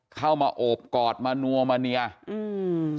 โอบกอดมานัวมาเนียอืม